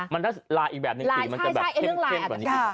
มันถ้าหลายอีกแบบนึงกลิ่มมันจะแบบเข้มกว่านี้